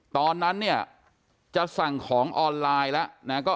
ตอนนั้นเนี่ยจะสั่งของออนไลน์แล้วนะ